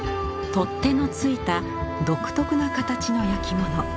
取っ手の付いた独特な形の焼き物。